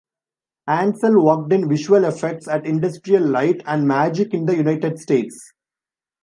Ansel worked in visual effects at Industrial Light and Magic in the United States.